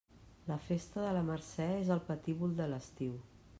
La festa de la Mercè és el patíbul de l'estiu.